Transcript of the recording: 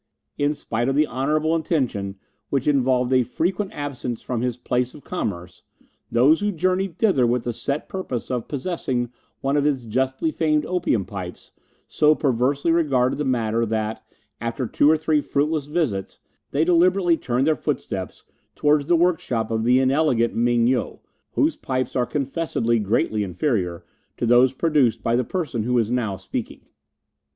In spite of the honourable intention which involved a frequent absence from his place of commerce, those who journeyed thither with the set purpose of possessing one of his justly famed opium pipes so perversely regarded the matter that, after two or three fruitless visits, they deliberately turned their footsteps towards the workshop of the inelegant Ming yo, whose pipes are confessedly greatly inferior to those produced by the person who is now speaking.